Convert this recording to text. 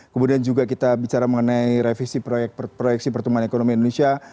kemudian juga kita bicara mengenai revisi proyeksi pertumbuhan ekonomi indonesia